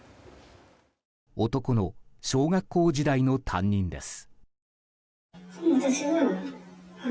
男の小学校時代の担任です。